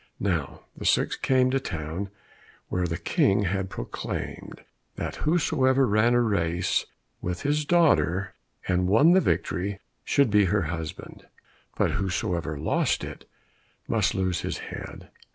Now the six came to a town where the King had proclaimed that whosoever ran a race with his daughter and won the victory, should be her husband, but whosoever lost it, must lose his head.